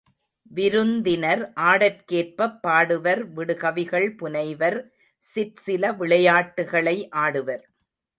விருந்தினர் ஆடற்கேற்பப் பாடுவர் விடு கவிகள் புனைவர் சிற்சில விளையாட்டுகளை ஆடுவர்.